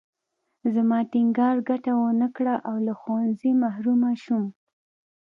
زما ټینګار ګټه ونه کړه او له ښوونځي محرومه شوم